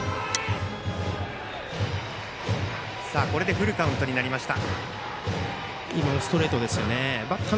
フルカウントになりました。